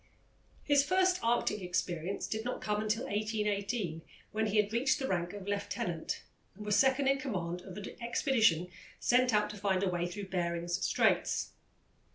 His first Arctic experience did not come until 1818, when he had reached the rank of lieutenant and was second in command of an expedition sent out to find a way through Behring's Straits.